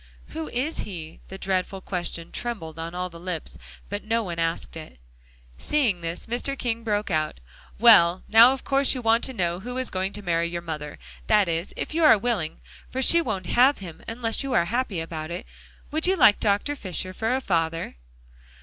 "Who is he?" The dreadful question trembled on all the lips; but no one asked it. Seeing this, Mr. King broke out, "Well, now of course you want to know who is going to marry your mother, that is, if you are willing. For she won't have him unless you are to be happy about it. Would you like Dr. Fisher for a father?"